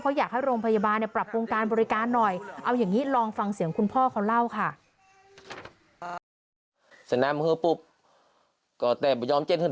เพราะอยากให้โรงพยาบาลปรับวงการบริการหน่อย